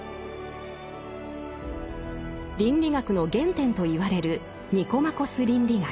倫理学の原点と言われる「ニコマコス倫理学」。